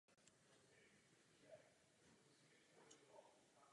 V první fázi regulace jsou motorové skupiny spojeny sériově přímo na síť.